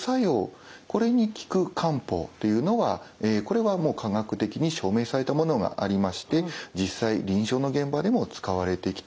これに効く漢方というのはこれはもう科学的に証明されたものがありまして実際臨床の現場でも使われてきています。